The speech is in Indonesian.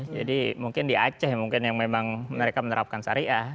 jadi mungkin di aceh yang memang mereka menerapkan syariah